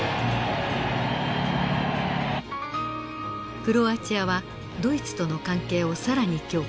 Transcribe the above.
クロアチアはドイツとの関係を更に強化。